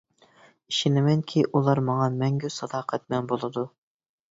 ئىشىنىمەنكى، ئۇلار ماڭا مەڭگۈ ساداقەتمەن بولىدۇ.